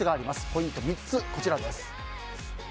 ポイント３つ、こちらです。